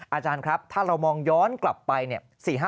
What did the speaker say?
อาจารย์ครับถ้าเรามองย้อนกลับไปเนี่ย